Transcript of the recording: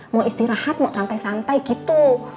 mau istirahat mau santai santai gitu